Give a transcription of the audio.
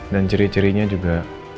dan ciri cirinya juga